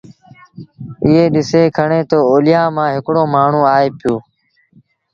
ائيٚݩ ڏسي کڻي تا اوليآ مآݩ هڪڙو مآڻهوٚٚݩآئي پيو